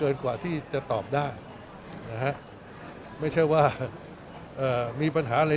เกินกว่าที่จะตอบได้นะฮะไม่เชื่อว่ามีปัญหาในนิดหนึ่ง